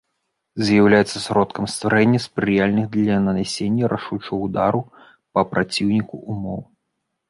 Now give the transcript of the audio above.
З'яўляецца сродкам стварэння спрыяльных для нанясення рашучага ўдару па праціўніку ўмоў.